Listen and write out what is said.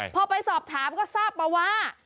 พอไปสอบถามก็ทราบมาว่า